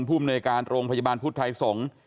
ผู้อำนวยการโรงพยาบาลภุตไทยสงฆ์